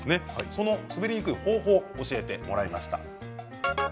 その滑りにくい方法を教えてもらいました。